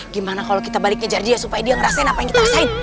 gimana kalau kita balik ngejar dia supaya dia ngerasain apa yang kita rasain